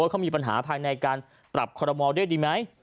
เขามีปัญหาภายในการปรับคอรมอลด้วยดีไหม